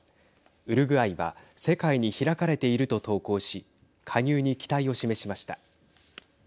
ウルグアイは世界に開かれていると投稿し加入に期待を示しました。